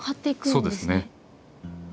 そうですね。